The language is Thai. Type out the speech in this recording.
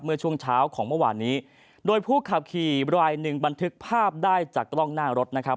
เมื่อช่วงเช้าของเมื่อวานนี้โดยผู้ขับขี่รายหนึ่งบันทึกภาพได้จากกล้องหน้ารถนะครับ